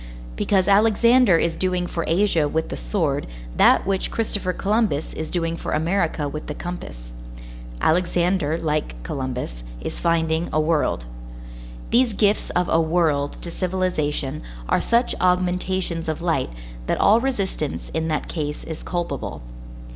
Because Alexander is doing for Asia with the sword that which Christopher Columbus is doing for America with the compass; Alexander like Columbus, is finding a world. These gifts of a world to civilization are such augmentations of light, that all resistance in that case is culpable.